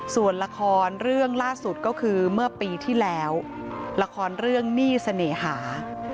ส่วนละครเรื่องล่าสุดก็คือเมื่อปีที่แล้วละครเรื่องหนี้เสน่หา